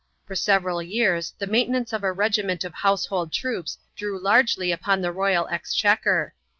For several years the maintenance of a regiment of household troops drew largely upon the royal exchequer.